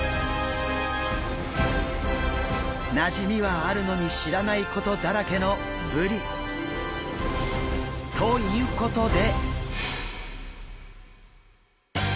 なじみはあるのに知らないことだらけのブリ。ということで。